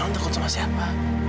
aku takut sama siapa